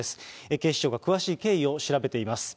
警視庁が詳しい経緯を調べています。